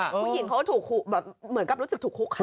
ผู้หญิงเขาก็ถูกแบบเหมือนกับรู้สึกถูกคุกคาม